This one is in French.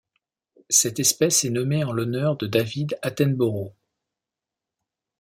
Cette espèce est nommée en l'honneur de David Attenborough.